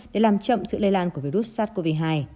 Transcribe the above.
để làm chậm sự lây lan của virus sars cov hai